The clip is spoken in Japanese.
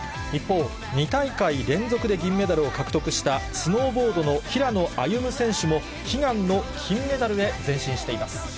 一方、２大会連続で銀メダルを獲得した、スノーボードの平野歩夢選手も悲願の金メダルへ前進しています。